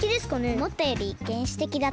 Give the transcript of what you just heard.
おもったよりげんしてきだった。